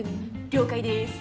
了解です！